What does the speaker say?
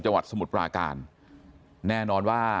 จังหวัดสมุทรปราการแน่นอนว่า